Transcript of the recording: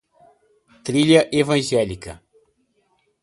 Trilha evangélica